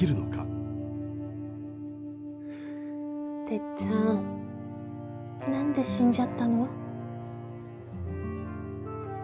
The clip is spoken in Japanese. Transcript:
てっちゃん何で死んじゃったの？